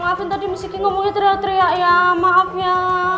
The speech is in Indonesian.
ya maafin tadi miskin ngomongnya teriak teriak ya maaf ya